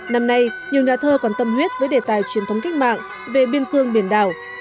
năm nay nhiều nhà thơ còn tâm huyết với đề tài truyền thống cách mạng về biên cương biển đảo